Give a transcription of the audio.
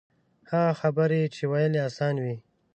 هغه خبرې چې ویل یې آسان وي.